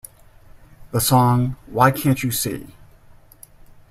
The song Why Can't You See?